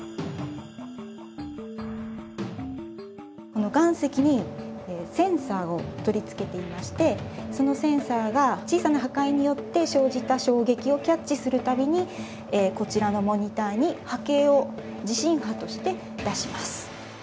この岩石にセンサーを取り付けていましてそのセンサーが小さな破壊によって生じた衝撃をキャッチする度にこちらのモニターに波形を地震波として出します。